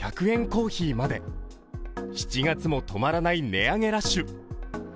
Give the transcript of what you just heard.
コーヒーまで、７月も止まらない値上げラッシュ。